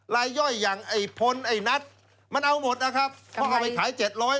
ลายย่อยอย่างไอ้พลไอ้นัทมันเอาหมดนะครับเอาไปขายเจ็ดร้อย